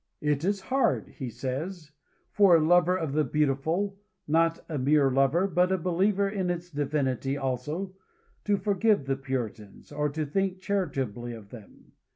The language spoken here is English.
"It is hard," he says, "for a lover of the beautiful not a mere lover, but a believer in its divinity also to forgive the Puritans, or to think charitably of them.